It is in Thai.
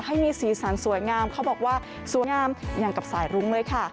ให้มีสีสันสวยงามเขาบอกว่าสวยงามอย่างกับสายรุ้งเลยค่ะ